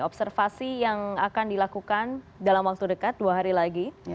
observasi yang akan dilakukan dalam waktu dekat dua hari lagi